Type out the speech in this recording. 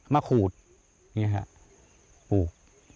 มะขูดเนี่ยครับปลูก